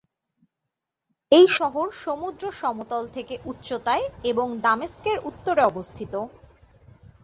এই শহর সমুদ্র সমতল থেকে উচ্চতায় এবং দামেস্কের উত্তরে অবস্থিত।